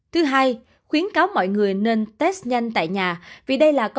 thứ hai khuyến cáo mọi người nên test nhanh tại nhà